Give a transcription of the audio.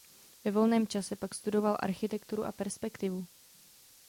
Ve volném čase pak studoval architekturu a perspektivu.